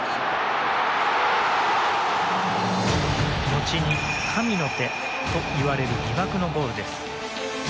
のちに神の手といわれる疑惑のゴールです。